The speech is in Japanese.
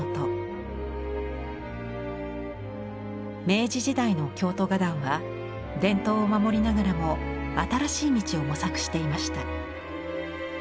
明治時代の京都画壇は伝統を守りながらも新しい道を模索していました。